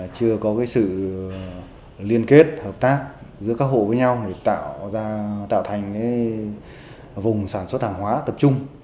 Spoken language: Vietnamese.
chưa có sự liên kết hợp tác giữa các hộ với nhau để tạo ra tạo thành vùng sản xuất hàng hóa tập trung